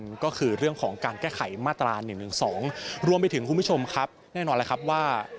ถึงคุณผู้ชมครับแน่นอนแหละครับว่า